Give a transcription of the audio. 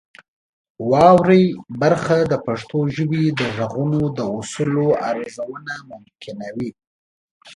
واورئ برخه د پښتو ژبې د غږونو د اصولو ارزونه ممکنوي.